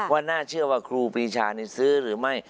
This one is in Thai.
น่าเชื่อว่าครูปีชาซื้อหรือไม่